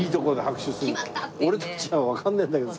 俺たちはわかんないんだけどさ。